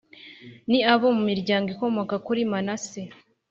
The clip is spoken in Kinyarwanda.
Ni abo mu miryango ikomoka kuri Manase